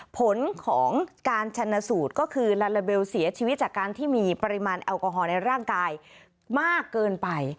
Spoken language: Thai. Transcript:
ผลของการชนสูตรก็คือลาลาเบลเสียชีวิตจากการที่มีปริมาณแอลกอฮอลในร่างกายมากเกินไป